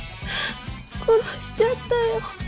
殺しちゃったよ。